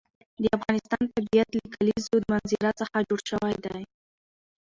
د افغانستان طبیعت له د کلیزو منظره څخه جوړ شوی دی.